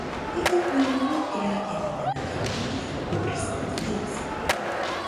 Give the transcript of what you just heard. Еден милион граѓани на Македонија користат Фејсбук.